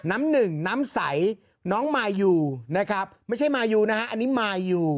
น้ำหนึ่งน้ำใสน้องมายูนะครับไม่ใช่มายูนะฮะอันนี้มายอยู่